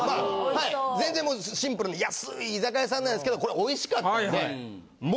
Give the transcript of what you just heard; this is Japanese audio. はい全然もうシンプルに安い居酒屋さんなんですけどこれおいしかったんで。